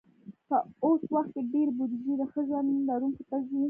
په اوس وخت کې ډېری بودیجه د ښه ژوند لرونکو ته ځي.